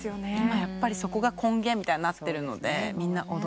やっぱりそこが根源みたいになってるのでみんな踊ってらして。